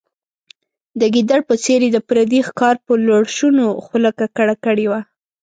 د ګیدړ په څېر یې د پردي ښکار په لړشونو خوله ککړه کړې وه.